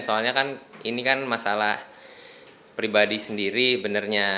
soalnya kan ini kan masalah pribadi sendiri benernya